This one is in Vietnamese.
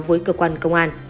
với cơ quan công an